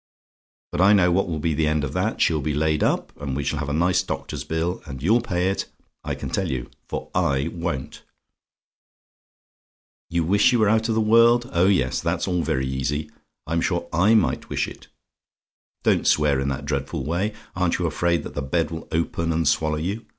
But I know what will be the end of that; she'll be laid up, and we shall have a nice doctor's bill. And you'll pay it, I can tell you for I won't. "YOU WISH YOU WERE OUT OF THE WORLD? "Oh! yes, that's all very easy. I'm sure I might wish it. Don't swear in that dreadful way! Aren't you afraid that the bed will open and swallow you?